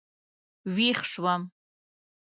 وېښ شوم.